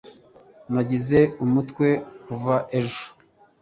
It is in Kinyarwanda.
nagize umutwe kuva ejo